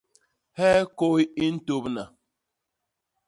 Hee kôy i ntôbna?